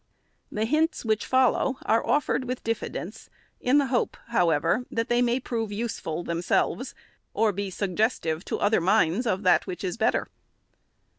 The hints which follow are offered with diffidence ; in the hope, however, that they may prove useful themselves, or be suggestive to other minds of that which is better.